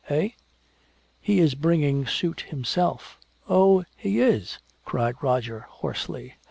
"Eh?" "He is bringing suit himself." "Oh! He is!" cried Roger hoarsely.